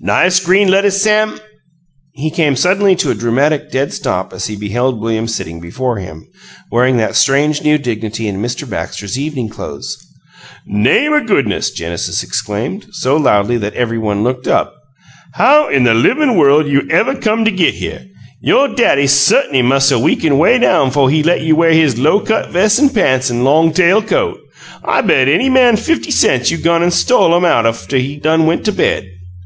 "Nice green lettuce sam " He came suddenly to a dramatic dead stop as he beheld William sitting before him, wearing that strange new dignity and Mr. Baxter's evening clothes. "Name o' goo'ness!" Genesis exclaimed, so loudly that every one looked up. "How in the livin' worl' you evuh come to git here? You' daddy sut'ny mus' 'a' weakened 'way down 'fo' he let you wear his low cut ves' an' pants an' long tail coat! I bet any man fifty cents you gone an' stole 'em out aftuh he done went to bed!"